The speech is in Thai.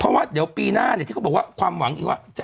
เพราะว่าเดี๋ยวปีหน้าเนี่ยที่เขาบอกว่าความหวังอีกว่า